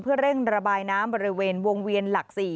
เพื่อเร่งระบายน้ำบริเวณวงเวียนหลัก๔